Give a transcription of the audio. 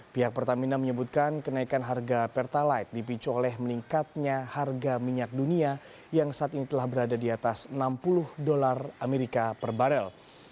pihak pertamina menyebutkan kenaikan harga pertalite dipicu oleh meningkatnya harga minyak dunia yang saat ini telah berada di atas enam puluh dolar amerika per barel